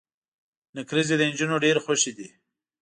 نکریزي د انجونو ډيرې خوښې دي.